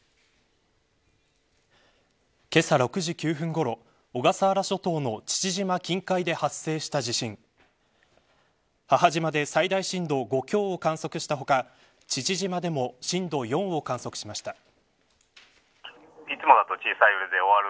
けさ６時９分ごろ小笠原諸島の父島近海で発生した地震母島で最大震度５強を観測したほか父島でも震度４を観測しました。